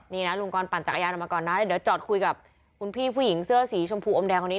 นี่นะลุงกรปั่นจักรยานออกมาก่อนนะแล้วเดี๋ยวจอดคุยกับคุณพี่ผู้หญิงเสื้อสีชมพูอมแดงคนนี้